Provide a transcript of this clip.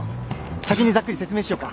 先にざっくり説明しようか。